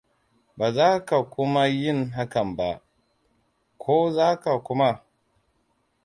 Baza ka kuma yin haka ba, ko zaka kuma?